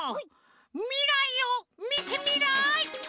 みらいをみてみらい！